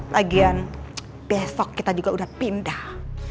lagian besok kita juga udah pindah